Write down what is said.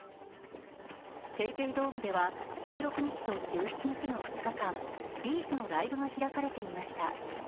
ＰａｙＰａｙドームでは１６日と１７日の２日間Ｂ’ｚのライブが開かれていました。